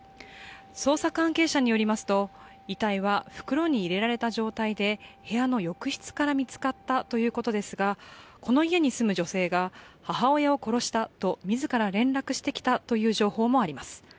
捜査関係者によりますと遺体は袋に入れられた状態で部屋の浴室から見つかったということですが、この家に住む女性が、母親を殺したと自ら連絡してきたという情報もあります。